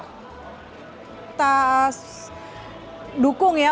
kita dukung ya